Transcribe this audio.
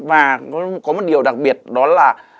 và có một điều đặc biệt đó là